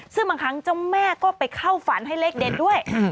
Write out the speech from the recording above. ซึ่งบางครั้งเจ้าแม่ก็ไปเข้าฝันให้เลขเด็ดด้วย